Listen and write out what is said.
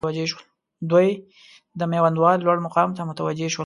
دوی د میوندوال لوړ مقام ته متوجه شول.